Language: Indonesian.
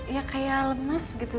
ya kayak lemes gitu